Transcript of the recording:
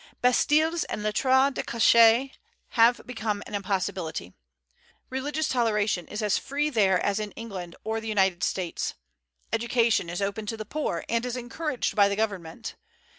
Bastilles and lettres de cachet have become an impossibility. Religious toleration is as free there as in England or the United States. Education is open to the poor, and is encouraged by the Government.